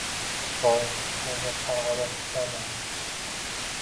Voy, nega qarg‘amas ekanman?